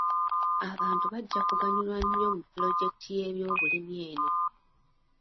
Abantu bajja kuganyulwa nnyo mu pulojekiti y'ebyobulimi eno.